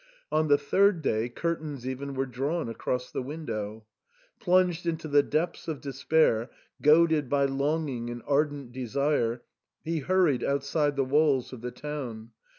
On the third day curtains even were drawn across the window. Plunged into the depths of despair, — goaded by longing and ardent desire, he hurried outside the t^^alls of the town.